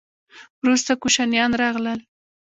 وروسته کوشانیان راغلل